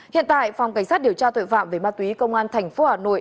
hiện tại phòng cảnh sát điều tra tội phạm về ma túy công an tp hà nội